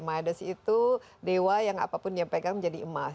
midas itu dewa yang apapun dia pegang menjadi emas